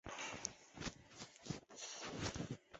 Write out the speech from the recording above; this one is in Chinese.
黎圣宗随即决定派兵十八万入侵澜沧。